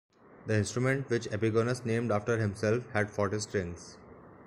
The instrument, which Epigonus named after himself, had forty strings.